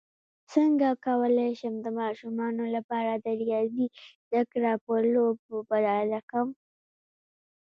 څنګه کولی شم د ماشومانو لپاره د ریاضي زدکړه په لوبو بدله کړم